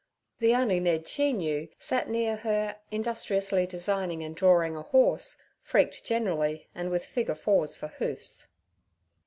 The only Ned she knew sat near her industriously designing and drawing a horse freaked generally and with figure fours for hoofs.